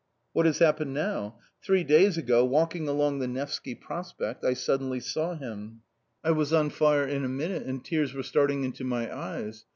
What has happened now? Three days ago, walking along the Nevsky Prospect, I suddenly saw him. I was on fire in a minute, and tears were starting into my eyes.